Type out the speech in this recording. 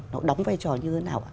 nó đóng vai trò như thế nào ạ